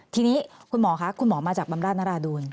ทีนี้คุณหมอคะคุณหมอมาจากบำราชนราดูล